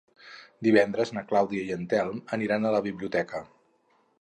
Divendres na Clàudia i en Telm aniran a la biblioteca.